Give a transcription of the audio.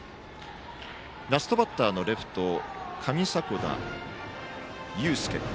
ラストバッター、レフトの上迫田優介。